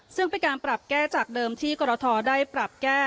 ซึ่งเป็นการปรับแก้จากเดิมที่กรทได้ปรับแก้